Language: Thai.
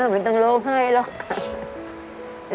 ไม่ต้องโรคไห้หรอก